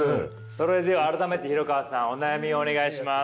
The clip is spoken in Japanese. それでは改めて廣川さんお悩みをお願いします。